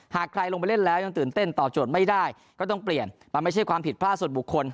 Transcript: หากใครลงไปเล่นแล้วยังตื่นเต้นตอบโจทย์ไม่ได้ก็ต้องเปลี่ยนมันไม่ใช่ความผิดพลาดส่วนบุคคล